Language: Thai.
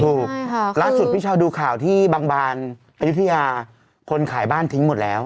ถูกล่าสุดพี่ชาวดูข่าวที่บางบานปริศริยาคนขายบ้านทิ้งหมดแล้ว